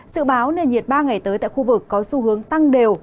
sự báo nền nhiệt ba ngày tới tại khu vực có xu hướng tăng đều